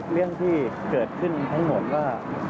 เรื่องที่เกิดขึ้นทั้งหมดว่า